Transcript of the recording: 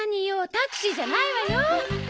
タクシーじゃないわよ。